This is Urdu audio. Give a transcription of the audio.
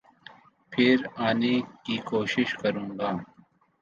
پھر آنے کی کوشش کروں گا۔